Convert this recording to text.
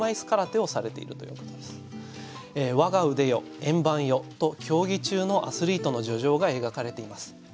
「円盤よ」と競技中のアスリートの叙情が描かれています。